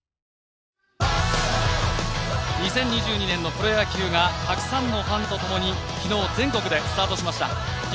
２０２２年のプロ野球がたくさんのファンとともに昨日、全国でスタートしました。